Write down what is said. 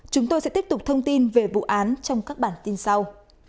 chúng tôi sẽ tiếp tục thông tin về vụ án trong các bản tin sau